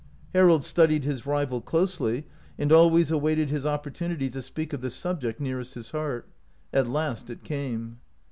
Harold studied his rival closely, and always awaited his opportunity to speak of the sub ject nearest his heart. At last it came.